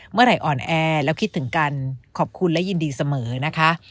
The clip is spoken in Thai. อ่อนแอแล้วคิดถึงกันขอบคุณและยินดีเสมอนะคะ